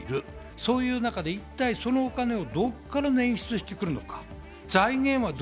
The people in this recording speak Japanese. そういう中で一体そのお金をどこから捻出してくるのか、財源はど